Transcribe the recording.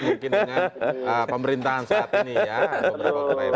mungkin dengan pemerintahan saat ini ya